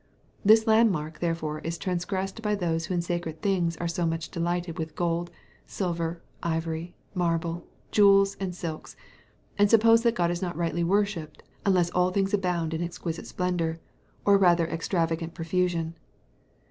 This landmark therefore is transgressed by those who in sacred things are so much delighted with gold, silver, ivory, marble, jewels, and silks, and suppose that God is not rightly worshipped, unless all things abound in exquisite splendour, or rather extravagant profusion.